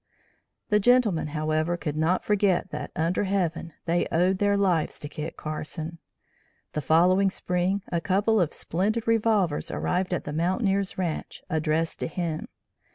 The gentlemen, however, could not forget that under heaven, they owed their lives to Kit Carson. The following spring a couple of splendid revolvers arrived at the mountaineer's ranche addressed to him.